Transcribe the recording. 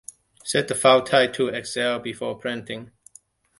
Set the file type to Excel before printing.